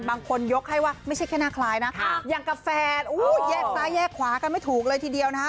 บางคนยกให้ว่าไม่ใช่แค่หน้าคลายนะอย่างกาแฟแยกซ้ายแยกขวากันไม่ถูกเลยทีเดียวนะฮะ